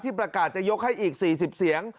ประกาศจะยกให้อีก๔๐เสียง